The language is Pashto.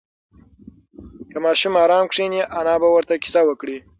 که ماشوم ارام کښېني، انا به ورته قصه وکړي.